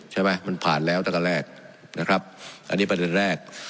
ใช่ไหมมันผ่านแล้วตั้งแต่แรกนะครับอันนี้ประเด็นแรก